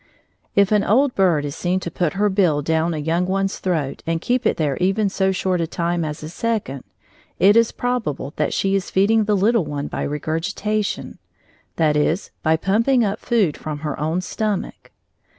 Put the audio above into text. If an old bird is seen to put her bill down a young one's throat and keep it there even so short a time as a second, it is probable that she is feeding the little one by regurgitation, that is, by pumping up food from her own stomach.